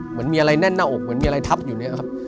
เหมือนมีอะไรแน่นหน้าอกเหมือนมีอะไรทับอยู่เนี่ยครับ